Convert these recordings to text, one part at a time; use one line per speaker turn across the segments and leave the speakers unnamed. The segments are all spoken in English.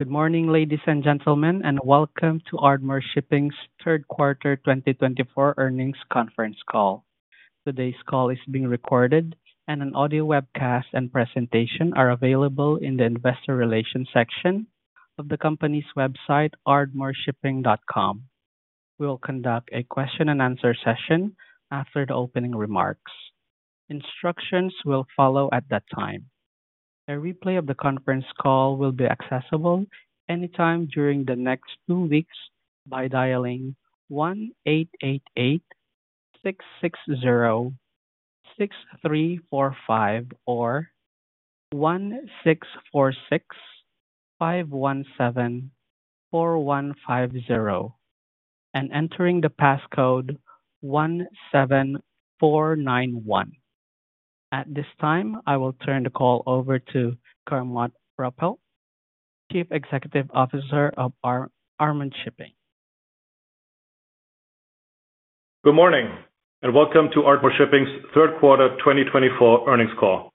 Good morning, ladies and gentlemen, and welcome to Ardmore Shipping's Q3 2024 earnings conference call. Today's call is being recorded, and an audio webcast and presentation are available in the Investor Relations section of the company's website, ardmoreshipping.com. We will conduct a question-and-answer session after the opening remarks. Instructions will follow at that time. A replay of the conference call will be accessible anytime during the next two weeks by dialing 1-888-660-6345 or 1-646-517-4150 and entering the passcode 17491. At this time, I will turn the call over to Gernot Ruppelt, Chief Executive Officer of Ardmore Shipping.
Good morning, and welcome to Ardmore Shipping's Q3 2024 earnings call.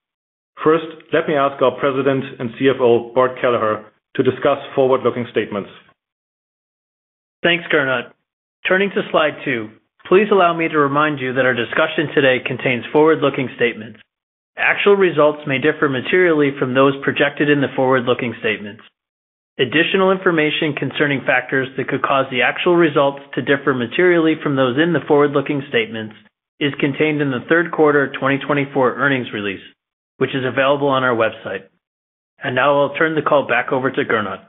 First, let me ask our President and CFO, Bart Kelleher, to discuss forward-looking statements.
Thanks, Gernot. Turning to slide two, please allow me to remind you that our discussion today contains forward-looking statements. Actual results may differ materially from those projected in the forward-looking statements. Additional information concerning factors that could cause the actual results to differ materially from those in the forward-looking statements is contained in the Q3 2024 earnings release, which is available on our website. And now I'll turn the call back over to Gernot.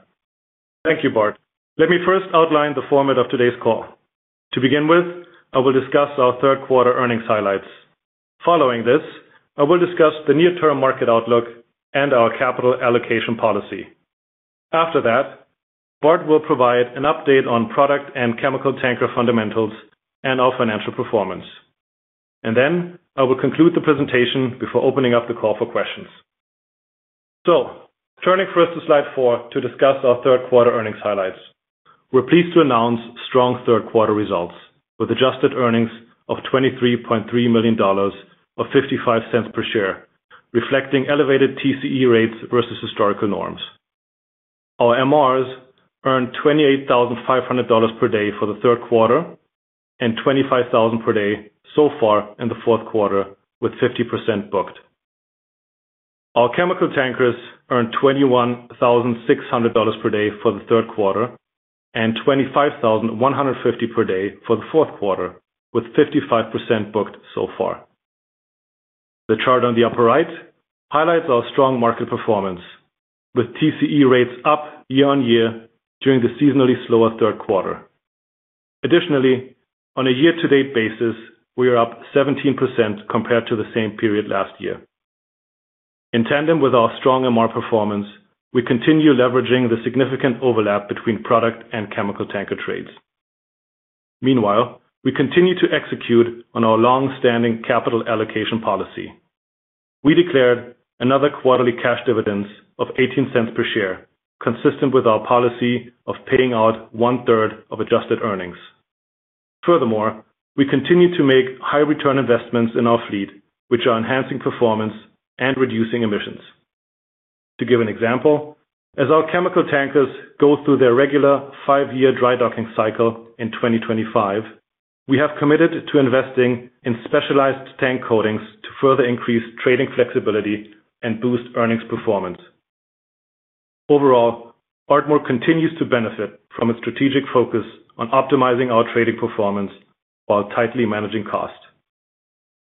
Thank you, Bart. Let me first outline the format of today's call. To begin with, I will discuss our Q3 earnings highlights. Following this, I will discuss the near-term market outlook and our capital allocation policy. After that, Bart will provide an update on product and chemical tankers' fundamentals and our financial performance. And then I will conclude the presentation before opening up the call for questions. So, turning first to slide four to discuss our Q3 earnings highlights, we're pleased to announce strong Q3 results with adjusted earnings of $23.3 million or $0.55 per share, reflecting elevated TCE rates versus historical norms. Our MRs earned $28,500 per day for Q3 and $25,000 per day so far in Q4, with 50% booked. Our chemical tankers earned $21,600 per day for Q3 and $25,150 per day for Q4, with 55% booked so far. The chart on the upper right highlights our strong market performance, with TCE rates up year-on-year during the seasonally slower Q3. Additionally, on a year-to-date basis, we are up 17% compared to the same period last year. In tandem with our strong MR performance, we continue leveraging the significant overlap between product and chemical tanker trades. Meanwhile, we continue to execute on our long-standing capital allocation policy. We declared another quarterly cash dividend of $0.18 per share, consistent with our policy of paying out one-third of adjusted earnings. Furthermore, we continue to make high-return investments in our fleet, which are enhancing performance and reducing emissions. To give an example, as our chemical tankers go through their regular five-year drydocking cycle in 2025, we have committed to investing in specialized tank coatings to further increase trading flexibility and boost earnings performance. Overall, Ardmore continues to benefit from its strategic focus on optimizing our trading performance while tightly managing cost.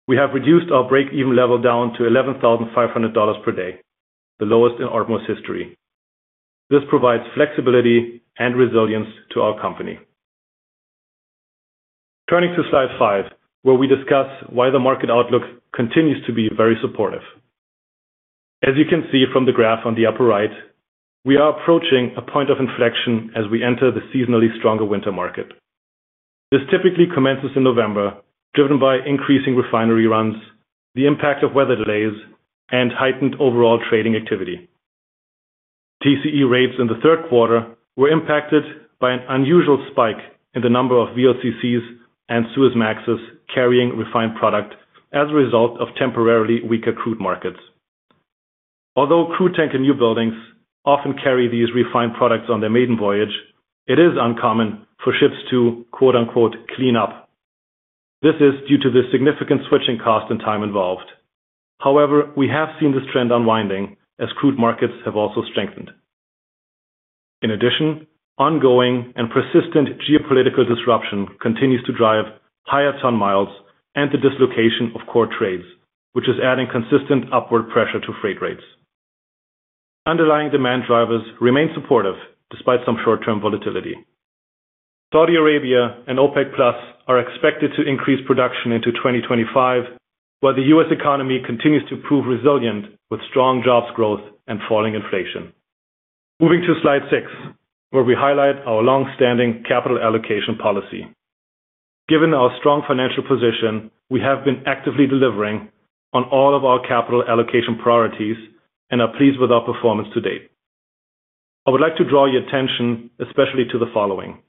We have reduced our break-even level down to $11,500 per day, the lowest in Ardmore's history. This provides flexibility and resilience to our company. Turning to slide five, where we discuss why the market outlook continues to be very supportive. As you can see from the graph on the upper right, we are approaching a point of inflection as we enter the seasonally stronger winter market. This typically commences in November, driven by increasing refinery runs, the impact of weather delays, and heightened overall trading activity. TCE rates in Q3 were impacted by an unusual spike in the number of VLCCs and Suezmaxes carrying refined product as a result of temporarily weaker crude markets. Although crude tanker newbuildings often carry these refined products on their maiden voyage, it is uncommon for ships to "clean up." This is due to the significant switching cost and time involved. However, we have seen this trend unwinding as crude markets have also strengthened. In addition, ongoing and persistent geopolitical disruption continues to drive higher ton-miles and the dislocation of core trades, which is adding consistent upward pressure to freight rates. Underlying demand drivers remain supportive despite some short-term volatility. Saudi Arabia and OPEC+ are expected to increase production into 2025, while the U.S. economy continues to prove resilient with strong jobs growth and falling inflation. Moving to slide six, where we highlight our long-standing capital allocation policy. Given our strong financial position, we have been actively delivering on all of our capital allocation priorities and are pleased with our performance to date. I would like to draw your attention especially to the following.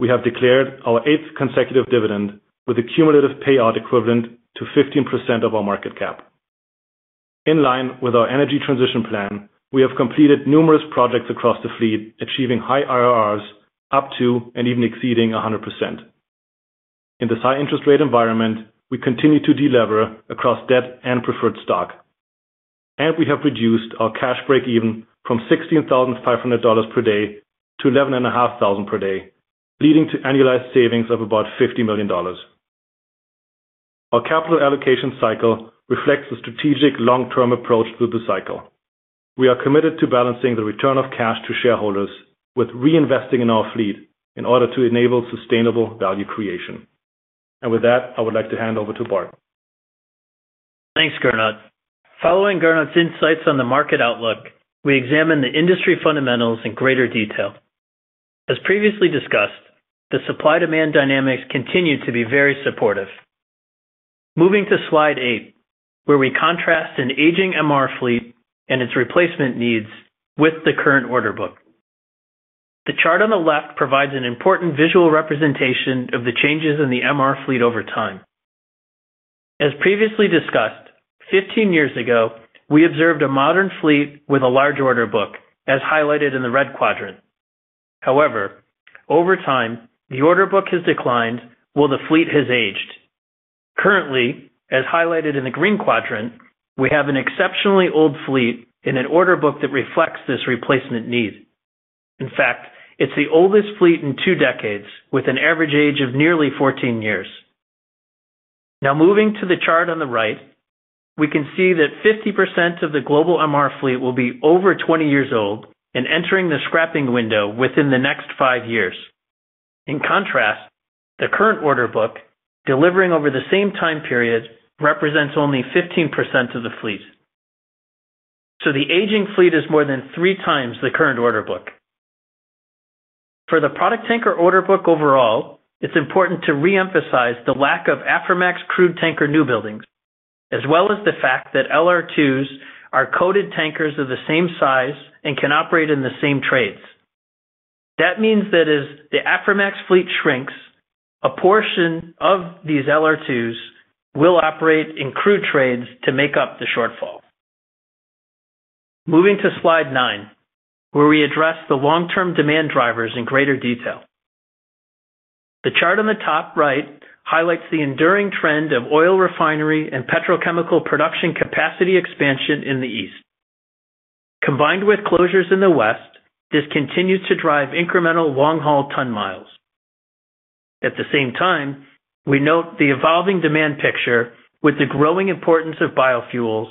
We have declared our eighth consecutive dividend with a cumulative payout equivalent to 15% of our market cap. In line with our energy transition plan, we have completed numerous projects across the fleet, achieving high IRRs up to and even exceeding 100%. In this high-interest rate environment, we continue to delever across debt and preferred stock, and we have reduced our cash break-even from $16,500 per day to $11,500 per day, leading to annualized savings of about $50 million. Our capital allocation cycle reflects the strategic long-term approach through the cycle. We are committed to balancing the return of cash to shareholders with reinvesting in our fleet in order to enable sustainable value creation. And with that, I would like to hand over to Bart.
Thanks, Gernot. Following Gernot's insights on the market outlook, we examine the industry fundamentals in greater detail. As previously discussed, the supply-demand dynamics continue to be very supportive. Moving to slide eight, where we contrast an aging MR fleet and its replacement needs with the current order book. The chart on the left provides an important visual representation of the changes in the MR fleet over time. As previously discussed, 15 years ago, we observed a modern fleet with a large order book, as highlighted in the red quadrant. However, over time, the order book has declined while the fleet has aged. Currently, as highlighted in the green quadrant, we have an exceptionally old fleet in an order book that reflects this replacement need. In fact, it's the oldest fleet in two decades, with an average age of nearly 14 years. Now, moving to the chart on the right, we can see that 50% of the global MR fleet will be over 20 years old and entering the scrapping window within the next five years. In contrast, the current order book delivering over the same time period represents only 15% of the fleet. So the aging fleet is more than three times the current order book. For the product tanker order book overall, it's important to reemphasize the lack of Aframax crude tanker new buildings, as well as the fact that LR2s are coated tankers of the same size and can operate in the same trades. That means that as the Aframax fleet shrinks, a portion of these LR2s will operate in crude trades to make up the shortfall. Moving to slide nine, where we address the long-term demand drivers in greater detail. The chart on the top right highlights the enduring trend of oil refinery and petrochemical production capacity expansion in the east, combined with closures in the west. This continues to drive incremental long-haul ton miles. At the same time, we note the evolving demand picture with the growing importance of biofuels,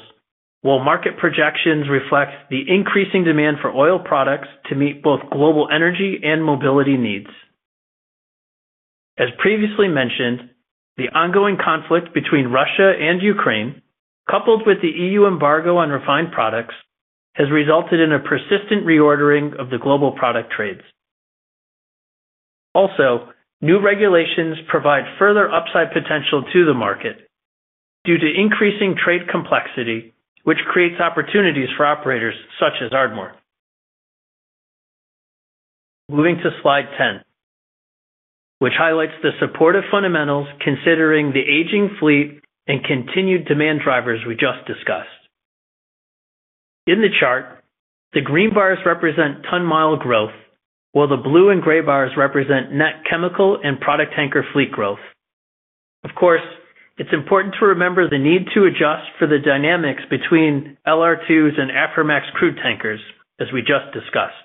while market projections reflect the increasing demand for oil products to meet both global energy and mobility needs. As previously mentioned, the ongoing conflict between Russia and Ukraine, coupled with the EU embargo on refined products, has resulted in a persistent reordering of the global product trades. Also, new regulations provide further upside potential to the market due to increasing trade complexity, which creates opportunities for operators such as Ardmore. Moving to slide ten, which highlights the supportive fundamentals considering the aging fleet and continued demand drivers we just discussed. In the chart, the green bars represent ton-mile growth, while the blue and gray bars represent net chemical and product tanker fleet growth. Of course, it's important to remember the need to adjust for the dynamics between LR2s and Aframax crude tankers, as we just discussed.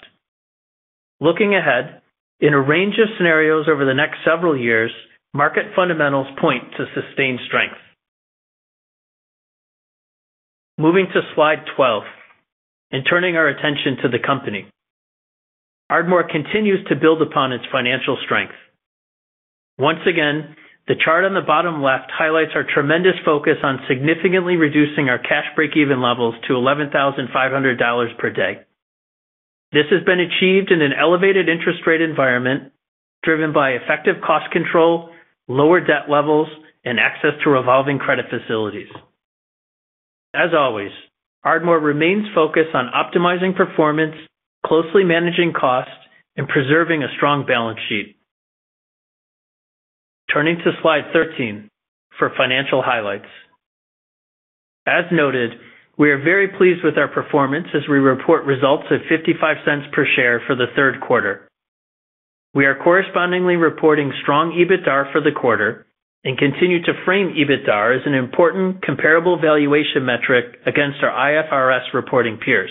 Looking ahead, in a range of scenarios over the next several years, market fundamentals point to sustained strength. Moving to slide 12 and turning our attention to the company, Ardmore continues to build upon its financial strength. Once again, the chart on the bottom left highlights our tremendous focus on significantly reducing our cash break-even levels to $11,500 per day. This has been achieved in an elevated interest rate environment driven by effective cost control, lower debt levels, and access to revolving credit facilities. As always, Ardmore remains focused on optimizing performance, closely managing cost, and preserving a strong balance sheet. Turning to slide 13 for financial highlights. As noted, we are very pleased with our performance as we report results of $0.55 per share for Q3. We are correspondingly reporting strong EBITDA for the quarter and continue to frame EBITDA as an important comparable valuation metric against our IFRS reporting peers.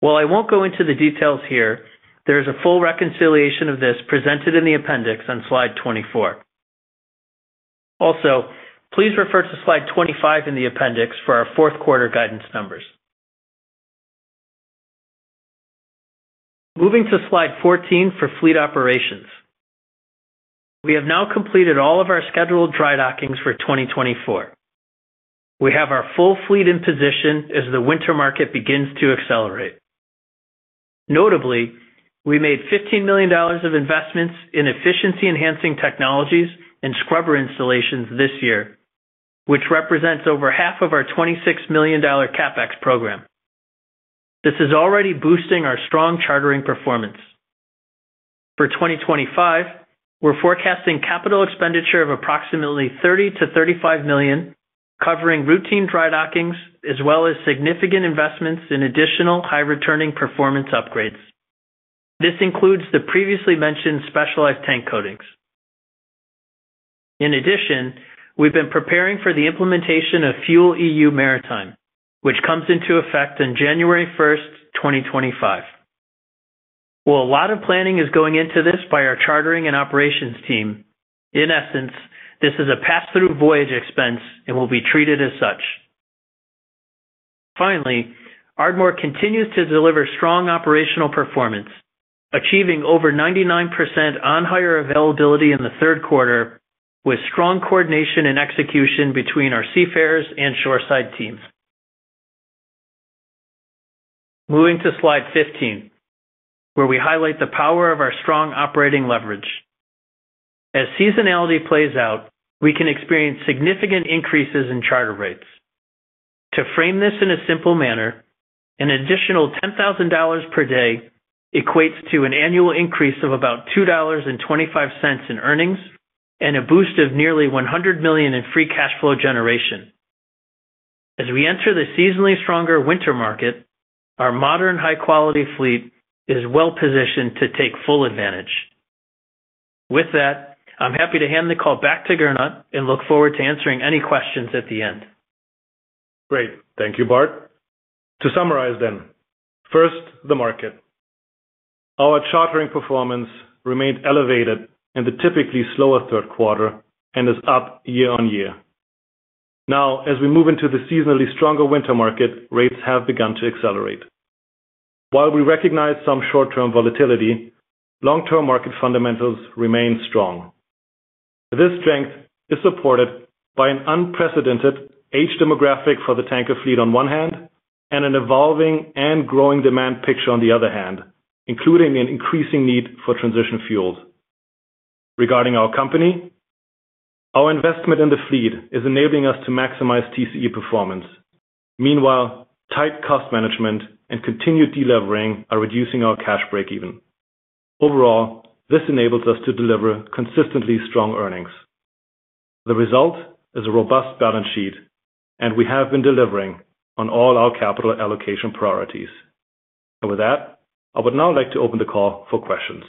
While I won't go into the details here, there is a full reconciliation of this presented in the appendix on slide 24. Also, please refer to slide 25 in the appendix for our Q4 guidance numbers. Moving to slide 14 for fleet operations. We have now completed all of our scheduled drydockings for 2024. We have our full fleet in position as the winter market begins to accelerate. Notably, we made $15 million of investments in efficiency-enhancing technologies and scrubber installations this year, which represents over half of our $26 million CapEx program. This is already boosting our strong chartering performance. For 2025, we're forecasting capital expenditure of approximately $30 to $35 million, covering routine drydockings as well as significant investments in additional high-returning performance upgrades. This includes the previously mentioned specialized tank coatings. In addition, we've been preparing for the implementation of FuelEU Maritime, which comes into effect on January 1st, 2025. While a lot of planning is going into this by our chartering and operations team, in essence, this is a pass-through voyage expense and will be treated as such. Finally, Ardmore continues to deliver strong operational performance, achieving over 99% on-hire availability in Q3 with strong coordination and execution between our seafarers and shoreside teams. Moving to slide 15, where we highlight the power of our strong operating leverage. As seasonality plays out, we can experience significant increases in charter rates. To frame this in a simple manner, an additional $10,000 per day equates to an annual increase of about $2.25 in earnings and a boost of nearly $100 million in free cash flow generation. As we enter the seasonally stronger winter market, our modern high-quality fleet is well-positioned to take full advantage. With that, I'm happy to hand the call back to Gernot and look forward to answering any questions at the end.
Great. Thank you, Bart. To summarize then, first, the market. Our chartering performance remained elevated in the typically slower Q3 and is up year on year. Now, as we move into the seasonally stronger winter market, rates have begun to accelerate. While we recognize some short-term volatility, long-term market fundamentals remain strong. This strength is supported by an unprecedented age demographic for the tanker fleet on one hand and an evolving and growing demand picture on the other hand, including an increasing need for transition fuels. Regarding our company, our investment in the fleet is enabling us to maximize TCE performance. Meanwhile, tight cost management and continued delevering are reducing our cash break-even. Overall, this enables us to deliver consistently strong earnings. The result is a robust balance sheet, and we have been delivering on all our capital allocation priorities. With that, I would now like to open the call for questions.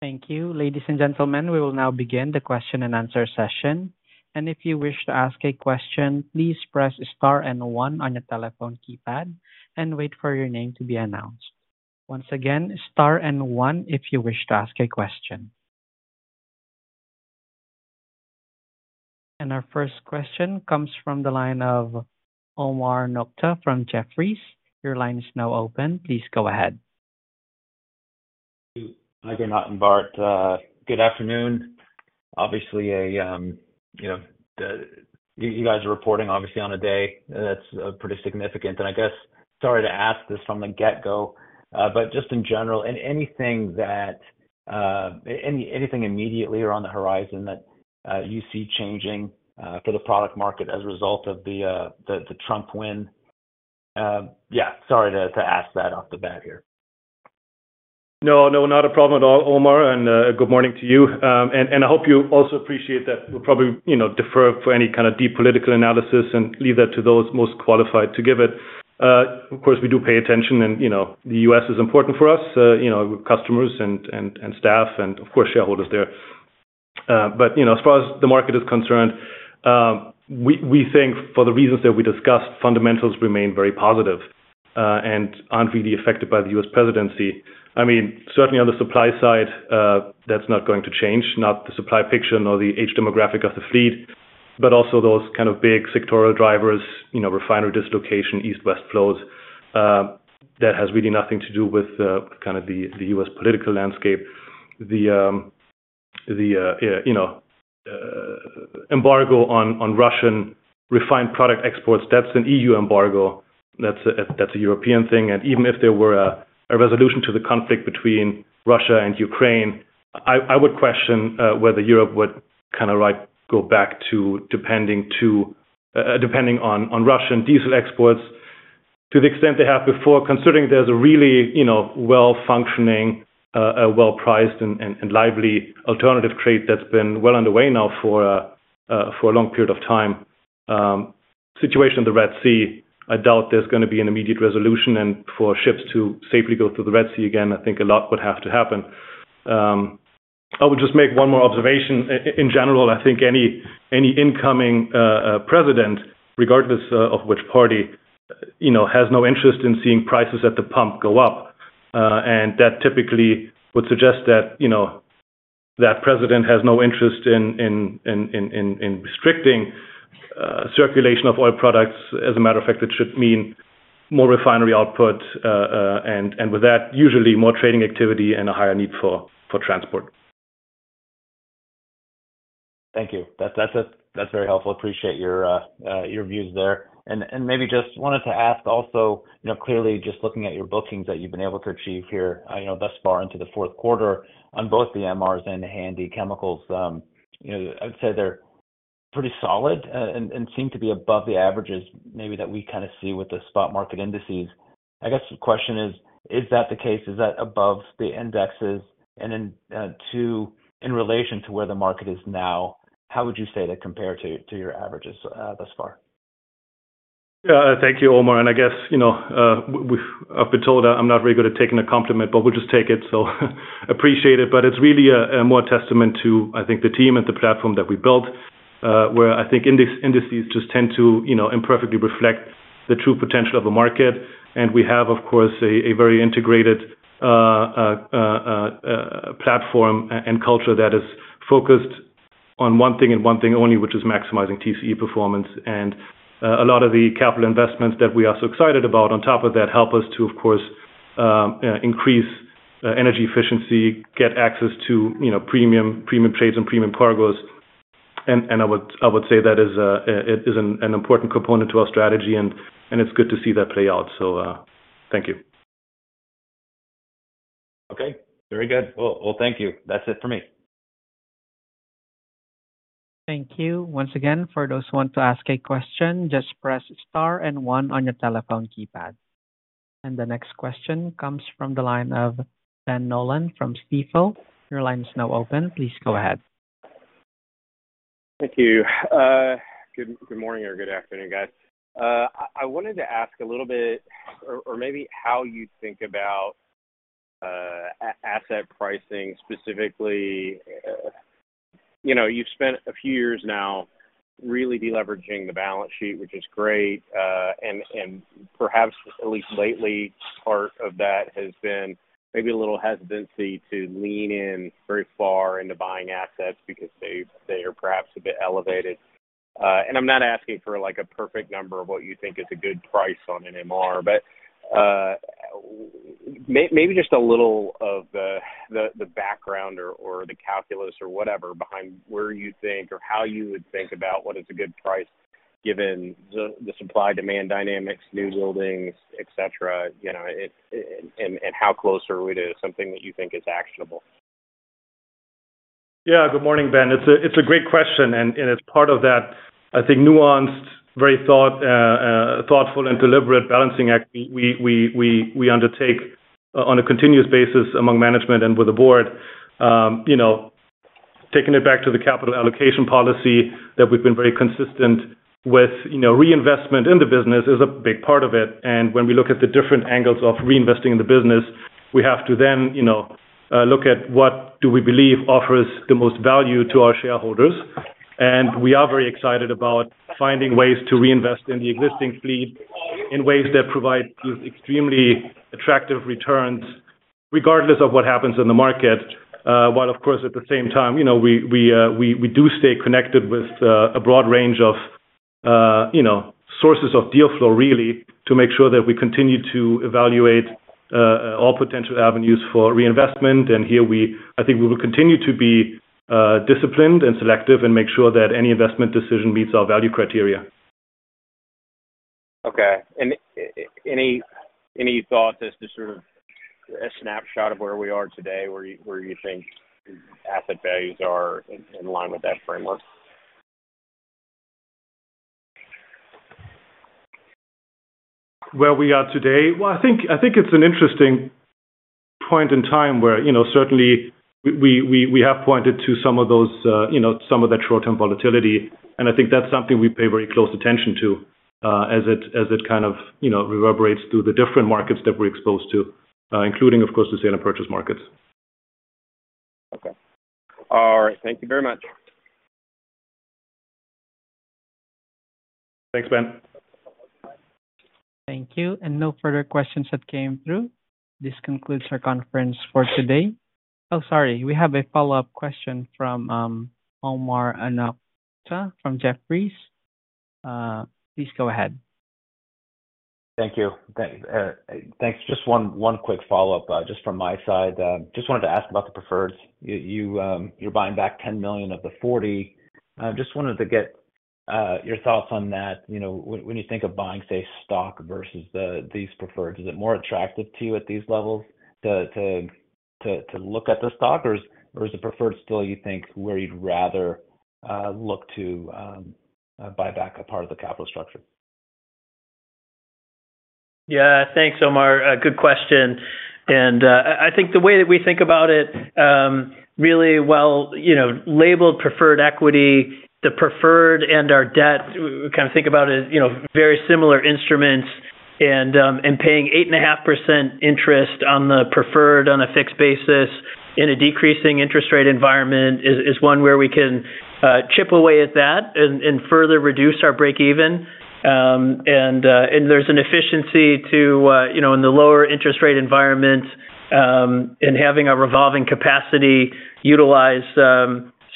Thank you. Ladies and gentlemen, we will now begin the question and answer session, and if you wish to ask a question, please press star and one on your telephone keypad and wait for your name to be announced. Once again, star and one if you wish to ask a question, and our first question comes from the line of Omar Nokta from Jefferies. Your line is now open. Please go ahead.
Thank you, Gernot and Bart. Good afternoon. Obviously, you guys are reporting obviously on a day that's pretty significant. And I guess, sorry to ask this from the get-go, but just in general, anything immediately or on the horizon that you see changing for the product market as a result of the Trump win? Yeah, sorry to ask that off the bat here.
No, no, not a problem at all, Omar. And good morning to you. And I hope you also appreciate that we'll probably defer for any kind of deep political analysis and leave that to those most qualified to give it. Of course, we do pay attention, and the U.S. is important for us, customers and staff, and of course, shareholders there. But as far as the market is concerned, we think for the reasons that we discussed, fundamentals remain very positive and aren't really affected by the U.S. presidency. I mean, certainly on the supply side, that's not going to change, not the supply picture nor the age demographic of the fleet, but also those kind of big sectoral drivers, refinery dislocation, east-west flows, that has really nothing to do with kind of the U.S. political landscape. The embargo on Russian refined product exports, that's an EU embargo. That's a European thing, and even if there were a resolution to the conflict between Russia and Ukraine, I would question whether Europe would kind of go back to depending on Russian diesel exports to the extent they have before, considering there's a really well-functioning, well-priced, and lively alternative trade that's been well underway now for a long period of time. Situation in the Red Sea, I doubt there's going to be an immediate resolution, and for ships to safely go through the Red Sea again, I think a lot would have to happen. I would just make one more observation. In general, I think any incoming president, regardless of which party, has no interest in seeing prices at the pump go up, and that typically would suggest that that president has no interest in restricting circulation of oil products. As a matter of fact, it should mean more refinery output, and with that, usually more trading activity and a higher need for transport.
Thank you. That's very helpful. Appreciate your views there, and maybe just wanted to ask also, clearly, just looking at your bookings that you've been able to achieve here thus far into Q4 on both the MRs and the Handy chemicals, I'd say they're pretty solid and seem to be above the averages maybe that we kind of see with the spot market indices. I guess the question is, is that the case? Is that above the indexes, and in relation to where the market is now, how would you say that compared to your averages thus far?
Yeah, thank you, Omar. And I guess I've been told I'm not very good at taking a compliment, but we'll just take it. So appreciate it. But it's really more a testament to, I think, the team and the platform that we built, where I think indices just tend to imperfectly reflect the true potential of a market. And we have, of course, a very integrated platform and culture that is focused on one thing and one thing only, which is maximizing TCE performance. And a lot of the capital investments that we are so excited about on top of that help us to, of course, increase energy efficiency, get access to premium trades and premium cargoes. And I would say that is an important component to our strategy. And it's good to see that play out. So thank you.
Okay, very good. Well, thank you. That's it for me.
Thank you once again. For those who want to ask a question, just press star and one on your telephone keypad. And the next question comes from the line of Ben Nolan from Stifel. Your line is now open. Please go ahead.
Thank you. Good morning or good afternoon, guys. I wanted to ask a little bit, or maybe how you think about asset pricing specifically. You've spent a few years now really deleveraging the balance sheet, which is great. Perhaps at least lately, part of that has been maybe a little hesitancy to lean in very far into buying assets because they are perhaps a bit elevated. I'm not asking for a perfect number of what you think is a good price on an MR, but maybe just a little of the background or the calculus or whatever behind where you think or how you would think about what is a good price given the supply-demand dynamics, new buildings, etc., and how close are we to something that you think is actionable?
Yeah, good morning, Ben. It's a great question. And as part of that, I think nuanced, very thoughtful and deliberate balancing act we undertake on a continuous basis among management and with the board. Taking it back to the capital allocation policy that we've been very consistent with, reinvestment in the business is a big part of it. And when we look at the different angles of reinvesting in the business, we have to then look at what do we believe offers the most value to our shareholders. And we are very excited about finding ways to reinvest in the existing fleet in ways that provide these extremely attractive returns regardless of what happens in the market. While, of course, at the same time, we do stay connected with a broad range of sources of deal flow, really, to make sure that we continue to evaluate all potential avenues for reinvestment. And here, I think we will continue to be disciplined and selective and make sure that any investment decision meets our value criteria.
Okay, and any thought as to sort of a snapshot of where we are today, where you think asset values are in line with that framework?
Where we are today? Well, I think it's an interesting point in time where certainly we have pointed to some of that short-term volatility, and I think that's something we pay very close attention to as it kind of reverberates through the different markets that we're exposed to, including, of course, the sale and purchase markets.
Okay. All right. Thank you very much.
Thanks, Ben.
Thank you. And no further questions that came through. This concludes our conference for today. Oh, sorry, we have a follow-up question from Omar Nokta from Jefferies. Please go ahead.
Thank you. Thanks. Just one quick follow-up just from my side. Just wanted to ask about the preferred. You're buying back $10 million of the $40 million. Just wanted to get your thoughts on that. When you think of buying, say, stock versus these preferred, is it more attractive to you at these levels to look at the stock, or is the preferred still, you think, where you'd rather look to buy back a part of the capital structure?
Yeah, thanks, Omar. Good question. And I think the way that we think about it, really, well, labeled preferred equity, the preferred and our debt, we kind of think about it as very similar instruments. And paying 8.5% interest on the preferred on a fixed basis in a decreasing interest rate environment is one where we can chip away at that and further reduce our break-even. And there's an efficiency to, in the lower interest rate environment, in having a revolving capacity utilize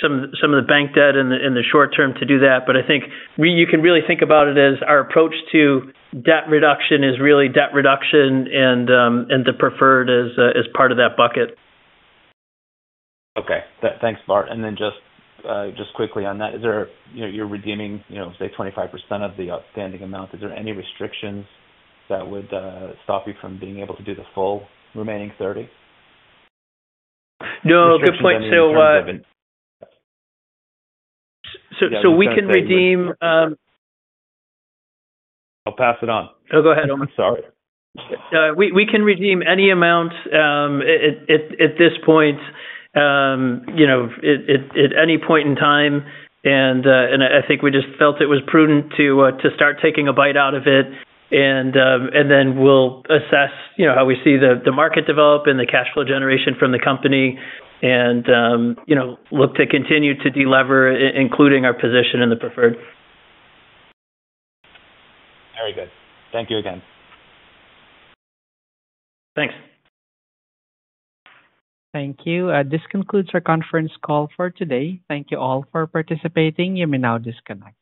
some of the bank debt in the short term to do that. But I think you can really think about it as our approach to debt reduction is really debt reduction and the preferred as part of that bucket.
Okay. Thanks, Bart. And then just quickly on that, you're redeeming, say, 25% of the outstanding amount. Is there any restrictions that would stop you from being able to do the full remaining 30%?
No, good point. So we can redeem.
I'll pass it on. Oh, go ahead. I'm sorry.
We can redeem any amount at this point, at any point in time. And I think we just felt it was prudent to start taking a bite out of it. And then we'll assess how we see the market develop and the cash flow generation from the company and look to continue to delever, including our position in the preferred.
Very good. Thank you again.
Thanks.
Thank you. This concludes our conference call for today. Thank you all for participating. You may now disconnect.